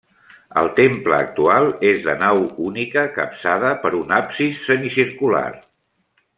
El temple actual és de nau única capçada per un absis semicircular.